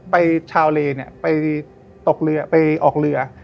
ไปชาวเลไปออกเรือ